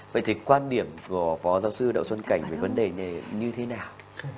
vậy thì quan điểm của phó giáo sư đạo xuân cảnh về vấn đề này như thế nào